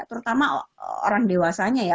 terutama orang dewasanya ya